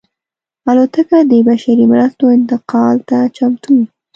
الوتکه د بشري مرستو انتقال ته چمتو وي.